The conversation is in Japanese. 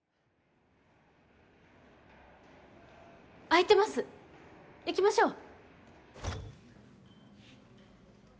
空いてます行きましょう！